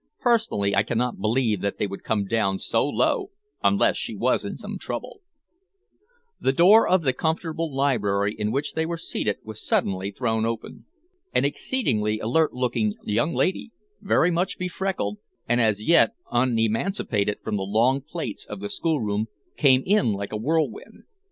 Personally, I cannot believe that they would come down so low unless she was in some trouble." The door of the comfortable library in which they were seated was suddenly thrown open. An exceedingly alert looking young lady, very much befreckled, and as yet unemancipated from the long plaits of the schoolroom, came in like a whirlwind.